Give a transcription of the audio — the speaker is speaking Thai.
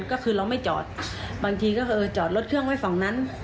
ก็คือเราไม่จอดบางทีก็คือจอดรถเครื่องไว้ฝั่งนั้น